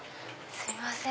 すいません。